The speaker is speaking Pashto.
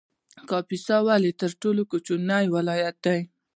کاپیسا ولې تر ټولو کوچنی ولایت دی؟